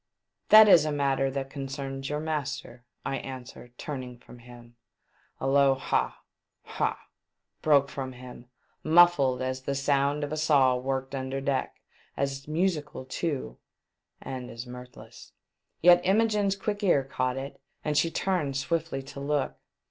'• That is a matter that concerns your master," I answered, turning from him. A low ha ! ha ! broke from him, muffled as the sound of a saw worked under deck, as musical too, and as mirthless. Yet Imogene's quick ear caught it, and she turned swiftly to look.